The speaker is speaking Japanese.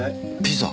ピザ。